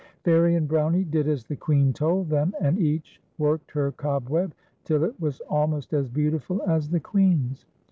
Fairie and Brownie did as the Queen told them, and each worked her cobweb till it was almost as beautiful as the Queen's.